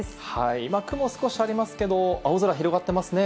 はい、雲も少しありますけれども、青空が広がってますね。